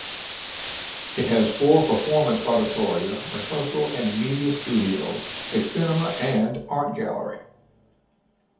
It has four performance auditoria, rehearsal and media studios, a cinema and art gallery.